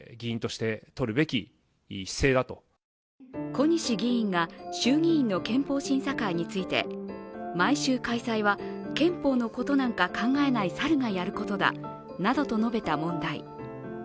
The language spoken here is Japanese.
小西議員が衆議院の憲法審査会について毎週開催は憲法のことなんか考えない猿がやることだなどと述べた問題。